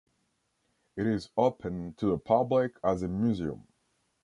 It is open to the public as a museum.